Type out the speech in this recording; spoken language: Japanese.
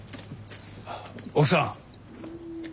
奥さん。